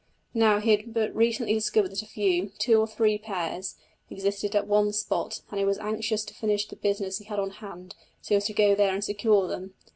Now he had but recently discovered that a few two or three pairs existed at one spot, and he was anxious to finish the business he had on hand so as to go there and secure them.